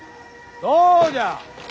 どうじゃ！